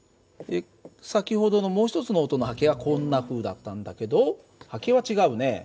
先ほどのもう一つの音の波形はこんなふうだったんだけど波形は違うね。